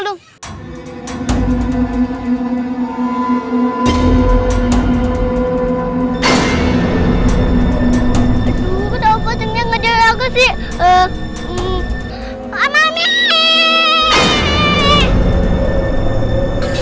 rumahnya vosogenya enggak jad wil sih ai